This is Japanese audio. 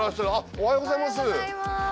おはようございます。